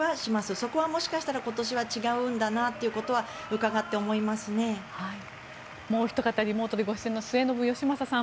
そこはもしかしたら今年は違うんだなということはもうおひと方リモートでご出演の末延吉正さん。